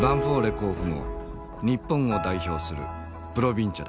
甲府も日本を代表するプロヴィンチャだ。